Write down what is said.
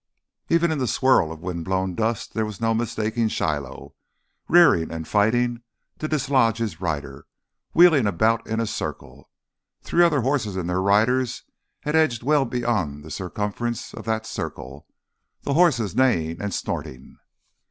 Even in the swirl of wind blown dust there was no mistaking Shiloh—rearing and fighting to dislodge his rider, wheeling about in a circle. Three other horses and their riders had edged well beyond the circumference of that circle, the horses neighing and snorting.